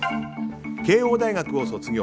慶應大学を卒業。